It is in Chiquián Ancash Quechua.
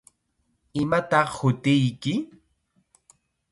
¿Imataq hutiyki?